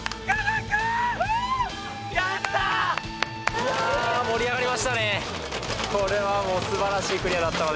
いやぁ、盛り上がりましたね